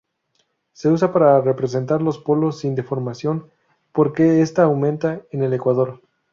Se usa para representar los polos sin deformación, porque esta aumenta en el Ecuador.